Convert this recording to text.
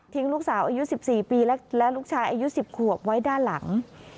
ลูกสาวอายุ๑๔ปีและลูกชายอายุ๑๐ขวบไว้ด้านหลัง